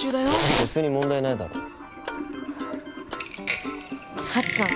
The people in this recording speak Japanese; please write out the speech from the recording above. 別に問題ないだろハチさん